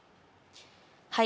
はい。